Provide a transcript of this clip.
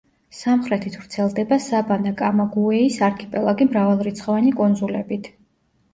სამხრეთით ვრცელდება საბანა-კამაგუეის არქიპელაგი მრავალრიცხოვანი კუნძულებით.